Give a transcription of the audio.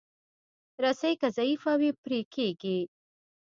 رسۍ که ضعیفه وي، پرې کېږي.